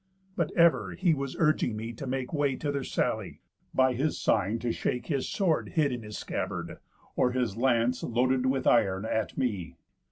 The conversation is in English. But ever he was urging me to make Way to their sally, by his sign to shake His sword hid in his scabbard, or his lance Loaded with iron, at me.